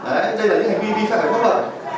đây là những hành vi vi phạm pháo nổ